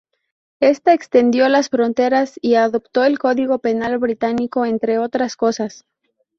Esta extendió las fronteras y adoptó el código penal británico entre otras cosas.